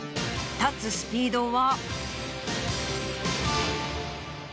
立つスピードは。